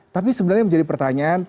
tapi sebenarnya menjadi pertanyaan